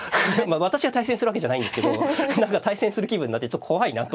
私が対戦するわけじゃないんですけど何か対戦する気分になってちょっと怖いなと思いましたね。